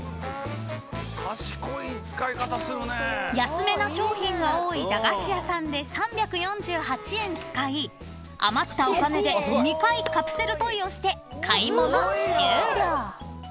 ［安めな商品が多い駄菓子屋さんで３４８円使い余ったお金で２回カプセルトイをして買い物終了］